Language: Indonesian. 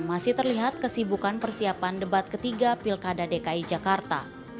masih terlihat kesibukan persiapan debat ketiga pilkada dki jakarta